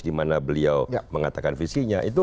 dimana beliau mengatakan visinya